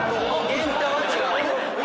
元太は違う。